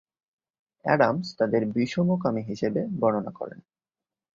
Adams তাঁদের বিষমকামী হিসেবে বর্ণনা করেন।